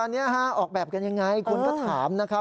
อันนี้ออกแบบกันอย่างไรคุณก็ถามนะครับ